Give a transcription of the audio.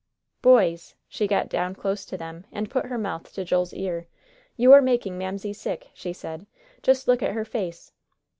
"Boys," she got down close to them and put her mouth to Joel's ear, "you are making Mamsie sick," she said; "just look at her face."